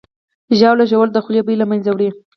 ژاوله ژوول د خولې بوی له منځه وړي.